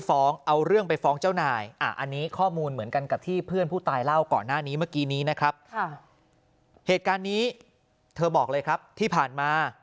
เธอบอกเลยครับที่ผ่านมา